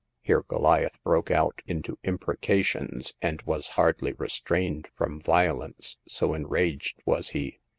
Here Goliath broke out into imprecations, and was hardly restrained from violence, so en raged was he.